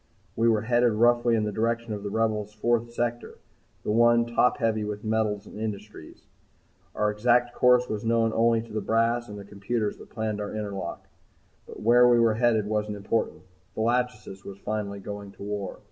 We were headed roughly in the direction of the Rebel's fourth sector, the one top heavy with metals industries. Our exact course was known only to the brass and the computers that planned our interlock. But where we were headed wasn't important. The "Lachesis" was finally going to war!